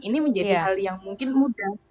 ini menjadi hal yang mungkin mudah